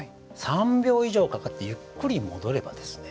３秒以上かけてゆっくり戻ればですね